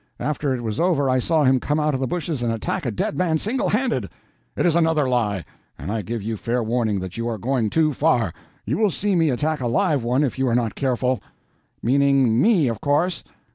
After it was over I saw him come out of the bushes and attack a dead man single handed." "It is another lie; and I give you fair warning that you are going too far. You will see me attack a live one if you are not careful." "Meaning me, of course.